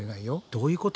どういうこと？